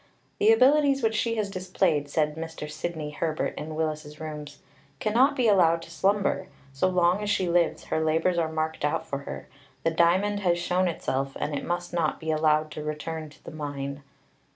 "The abilities which she has displayed," said Mr. Sidney Herbert in Willis's Rooms, "cannot be allowed to slumber. So long as she lives, her labours are marked out for her. The diamond has shown itself, and it must not be allowed to return to the mine."